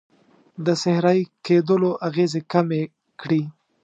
د صحرایې کیدلو اغیزې کمې کړي.